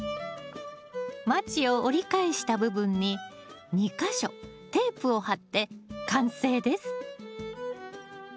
マチを折り返した部分に２か所テープを貼って完成です